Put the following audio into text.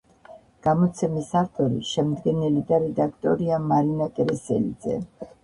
გამოცემის ავტორი, შემდგენელი და რედაქტორია მარინა კერესელიძე.